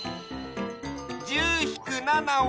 「１０ひく７」は？